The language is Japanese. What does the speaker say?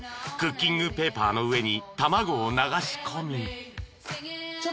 ［クッキングペーパーの上に卵を流し込み］